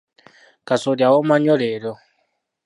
Kasooli awooma nnyo leero.